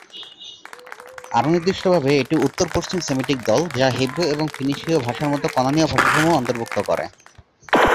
আরো নির্দিষ্টভাবে, এটি উত্তর-পশ্চিম সেমিটিক দল, যা হিব্রু এবং ফিনিশীয় ভাষার মত কনানীয় ভাষাসমূহ অন্তর্ভুক্ত করে।